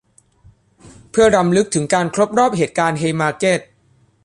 เพื่อรำลึกถึงการครบรอบเหตุการณ์เฮย์มาร์เก็ต